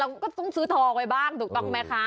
เออเนี่ยเราก็ต้องซื้อทองไปบ้างถูกต้องไหมคะ